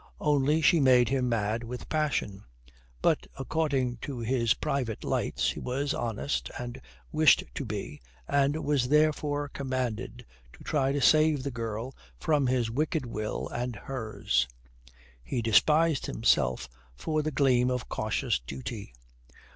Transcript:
Only she made him mad with passion. But, according to his private lights, he was honest, and wished to be, and was therefore commanded to try to save the girl from his wicked will and hers. He despised himself for the gleam of cautious duty.